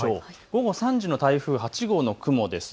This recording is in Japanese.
午後３時の台風８号の雲です。